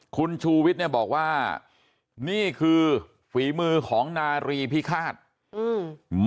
คุณชูวิทย์เนี่ยบอกว่านี่คือฝีมือของนารีพิฆาตอืม